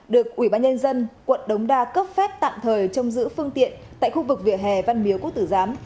được ủy ban nhân dân quận đồng đa cấp phép tạm thời trong giữ phương tiện tại khu vực vịa hè văn miếu cú tử giám